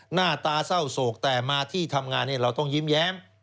หน้าตาเศร้าโศกแต่มาที่ทำงานเราต้องยิ้มแย้ม